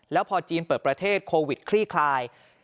แล้วพอจีนเปิดประเทศโควิดคลี่คลาย